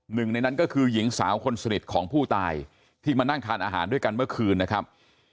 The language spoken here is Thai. หนึ่งในนั้นก็คือหญิงสาวคนสนิทของผู้ตายที่มานั่งทานอาหารด้วยกันเมื่อคืนนะครับ